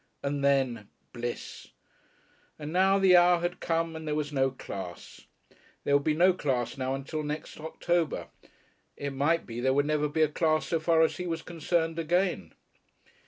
And then bliss! And now the hour had come and there was no class! There would be no class now until next October; it might be there would never be a class so far as he was concerned again.